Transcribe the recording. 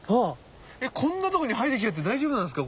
えっこんなとこに生えてきちゃって大丈夫なんですか？